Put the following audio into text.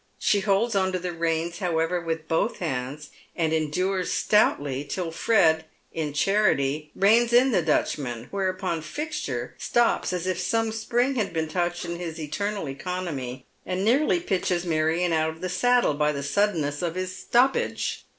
She holds on to the reins, however, with both hands, and endures stoutly, till Fred, in charity, reins in the Dutchman, whereupon Fixture stops as if some spring had been touched in his internal economy, and nearly pitches MarioE eut of the saddle by the suddenness of his stoppage.